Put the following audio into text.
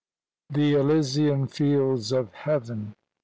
THE ELYSIAN FIELDS OR HEAVEN.